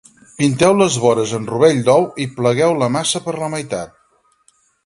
Pinteu les vores amb rovell d’ou i plegueu la massa per la meitat.